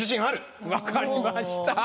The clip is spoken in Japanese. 分かりました。